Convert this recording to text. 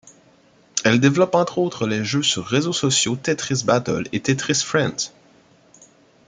Elle développe entre autres les jeux sur réseaux sociaux Tetris Battle et Tetris Friends.